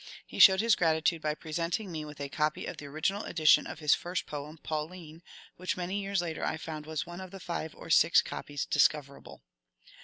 He showed his gratitude by presenting me with a copy of the original edition of his first poem, " Pauline," which many years later I found was one of the five or six copies discoverable.